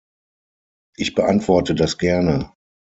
Ich beantworte das gerne.